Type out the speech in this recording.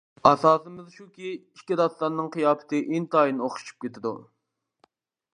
ئاساسىمىز شۇكى، ئىككى داستاننىڭ قىياپىتى ئىنتايىن ئوخشىشىپ كېتىدۇ.